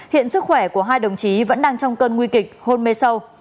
hiện sức khỏe của hai đồng chí vẫn đang trong cơn nguy kịch hôn mê sâu